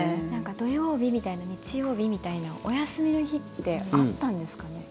土曜日みたいな日曜日みたいなお休みの日ってあったんですかね。